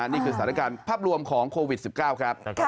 นี่คือสถานการณ์ภาพรวมของโควิด๑๙ครับ